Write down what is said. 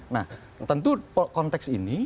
nah tentu konteks ini